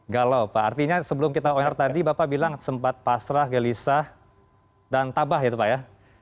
galau pak artinya sebelum kita owner tadi bapak bilang sempat pasrah gelisah dan tabah itu pak ya